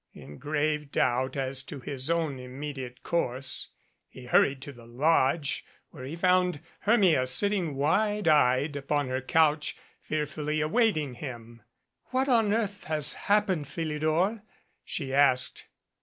In grave doubt as to his own immediate course, he hurried to the lodge, where he found Hermia sitting wide eyed upon her couch, fearfully await ing him. "What on earth has happened, Philidor?" she asked.